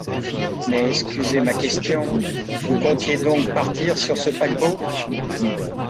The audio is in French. Mais, excusez ma question, vous comptiez donc partir sur ce paquebot ?